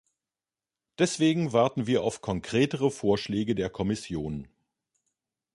Deswegen warten wir auf konkretere Vorschläge der Kommission.